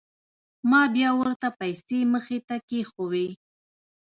ما بيا ورته پيسې مخې ته کښېښووې.